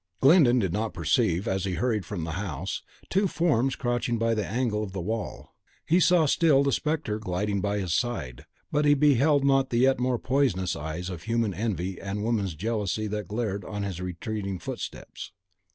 Glyndon did not perceive, as he hurried from the house, two forms crouching by the angle of the wall. He saw still the spectre gliding by his side; but he beheld not the yet more poisonous eyes of human envy and woman's jealousy that glared on his retreating footsteps.